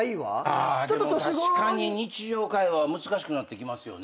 あでも確かに日常会話は難しくなってきますよね。